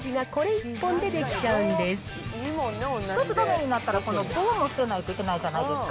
１つだめになったら、この棒も捨てないといけないじゃないですか。